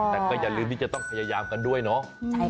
แต่ก็อย่าลืมที่จะต้องพยายามกันด้วยเนาะ